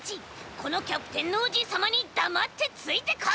このキャプテンノージーさまにだまってついてこい！